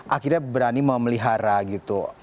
akhirnya berani memelihara gitu